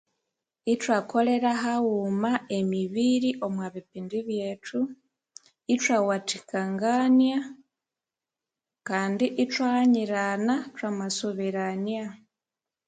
Ithwakolera haghuma emibiri omwabipindi byethu ithwawathikangania kandi ithwaghanyirana thwamasoberania